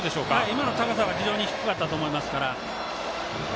今の高さは非常に低かったと思いますから。